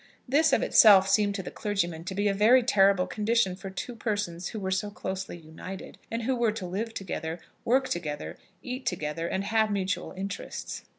This of itself seemed to the clergyman to be a very terrible condition for two persons who were so closely united, and who were to live together, work together, eat together, and have mutual interests.